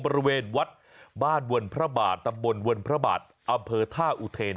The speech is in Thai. บริเวณวัดบ้านวนพระบาทตำบลวนพระบาทอำเภอท่าอุเทน